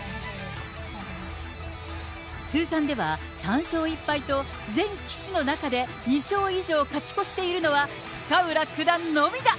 通算では３勝１敗と、全棋士の中で２勝以上勝ち越しているのは、深浦九段のみだ。